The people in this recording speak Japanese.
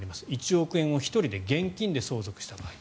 １億円を１人で現金で相続した場合。